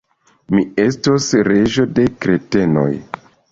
Mi estos reĝo de kretenoj!